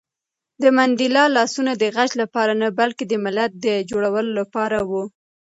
د منډېلا لاسونه د غچ لپاره نه، بلکې د ملت د جوړولو لپاره وو.